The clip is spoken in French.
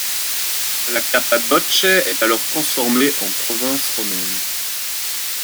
La Cappadoce est alors transformée en province romaine.